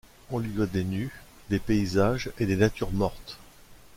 On lui doit des nus, des paysages et des natures mortes.